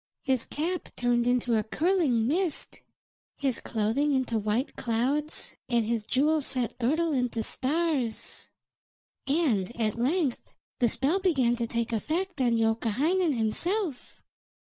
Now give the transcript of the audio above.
His cap turned into a curling mist, his clothing into white clouds, and his jewel set girdle into stars. And at length the spell began to take effect on Youkahainen himself.